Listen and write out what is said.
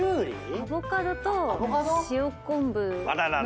アボカドと塩昆布の。